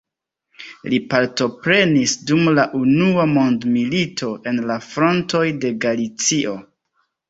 Li partoprenis dum la unua mondmilito en la frontoj de Galicio.